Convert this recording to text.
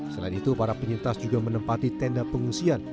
selain itu para penyintas juga menempati tenda pengungsian